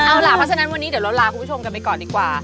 เอาล่ะเพราะฉะนั้นวันนี้เดี๋ยวเราลาคุณผู้ชมกันไปก่อนดีกว่า